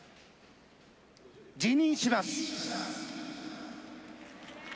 辞任します。